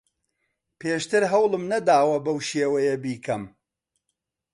پێشتر هەوڵم نەداوە بەو شێوەیە بیکەم.